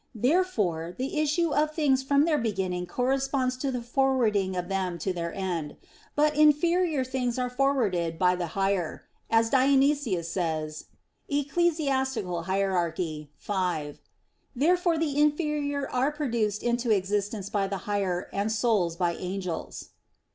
Therefore the issue of things from their beginning corresponds to the forwarding of them to their end. But "inferior things are forwarded by the higher," as Dionysius says (Eccl. Hier. v); therefore also the inferior are produced into existence by the higher, and souls by angels.